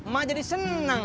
ma jadi seneng